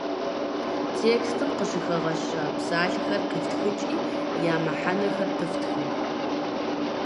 Текстым къыщыхэгъэща псалъэхэр къифтхыкӏи я мыхьэнэхэр пыфтхэ.